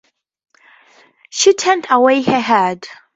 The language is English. She turned away her head.